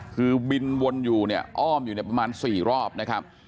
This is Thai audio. คือบินวนอยู่เนี่ยอ้อมอยู่เนี่ยประมาณ๔รอบนะครับ